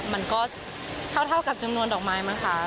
มันก็เท่ากับจำนวนดอกไม้มั้งคะ